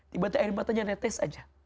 tiba tiba air matanya netes aja